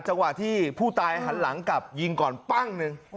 จังหวะที่ผู้ตายหันหลังกลับยิงก่อนปั้งหนึ่ง